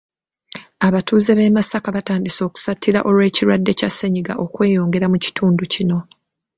Abatuuze b’e Masaka batandise okusattira olw’ekirwadde kya ssennyiga okweyongera mu kitundu kino.